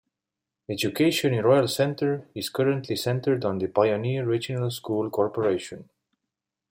Education in Royal Center is currently centered on the Pioneer Regional School Corporation.